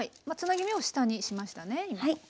はいつなぎ目を下にしましたね